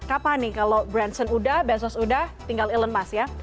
kapan nih kalau branson udah besok udah tinggal elon musk ya